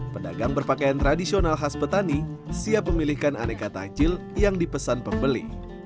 pedagang berpakaian tradisional khas petani siap memilihkan aneka takjil yang dipesan pembeli